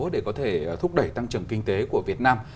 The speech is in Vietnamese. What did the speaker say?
để có thể thúc đẩy tăng trưởng kinh tế của việt nam